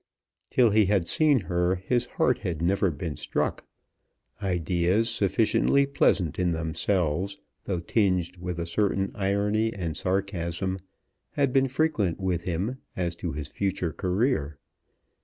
Till he had seen her his heart had never been struck. Ideas, sufficiently pleasant in themselves, though tinged with a certain irony and sarcasm, had been frequent with him as to his future career.